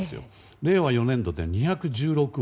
令和４年度で２１６億。